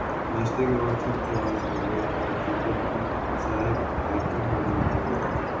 ناشتے کے بعد سب تیار ہو گئے اور جنگل کی سیر ہائیکنگ کرنے نکل پڑے